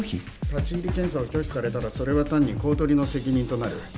立入検査を拒否されたらそれは単に公取の責任となる。